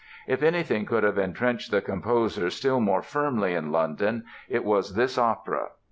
If anything could have intrenched the composer still more firmly in London it was this opera.